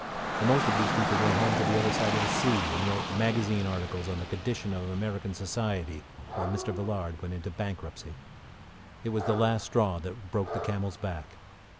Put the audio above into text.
The most of these people went home to the other side of the sea, and wrote magazine articles on the conditions of American society, while Mr. Villard went into bankruptcy. It was the last straw that broke the camel's back.